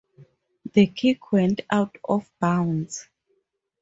The kick went out of bounds.